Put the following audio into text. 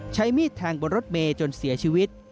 ใช้มีดแทงบนรถเมย์จนเสียชีวิต